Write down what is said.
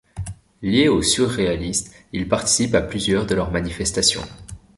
Lié aux surréalistes, il participe à plusieurs de leurs manifestations.